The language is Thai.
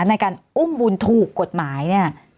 ในการอุ้มบุญถูกกฎหมายเนี่ย